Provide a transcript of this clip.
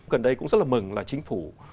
gần đây cũng rất mừng là chính phủ